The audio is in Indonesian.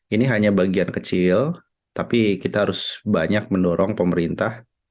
ini hanya bagian kecil tapi kita harus banyak mendorong pemerintah